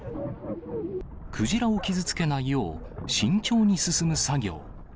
クジラを傷つけないよう、慎重に進む作業。